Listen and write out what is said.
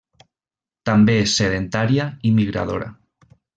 També és sedentària i migradora.